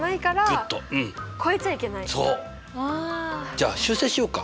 じゃあ修正しようか。